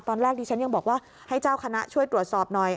ตอนแรกดิฉันยังบอกว่าให้เจ้าคณะช่วยตรวจสอบหน่อย